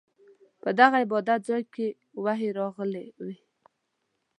په دغه عبادت ځاې کې وحې راغلې وه.